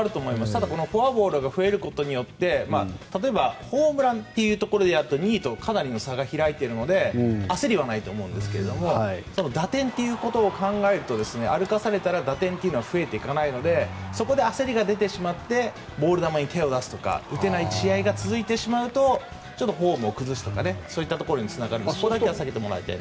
ただ、フォアボールが増えることによって例えば、ホームランっていうところでいうと２位とかなりの差が開いているので焦りはないと思うんですが打点ということを考えると歩かされたら打点は増えていかないのでそこで焦りが出てしまってボール球に手を出すとか打てない試合が続いてしまうとフォームを崩すとかそいうったことにつながるそれだけは避けてもらいたい。